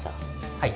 はい。